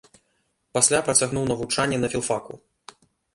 Пасля працягнуў навучанне на філфаку.